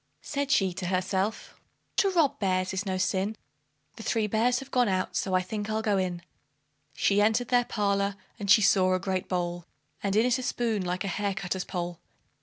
Said she to herself, "To rob bears is no sin; The three bears have gone out, so I think I'll go in." She entered their parlor, and she saw a great bowl, And in it a spoon like a hair cutter's pole.